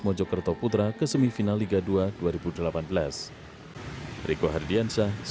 mojokerto putra ke semifinal liga dua dua ribu delapan belas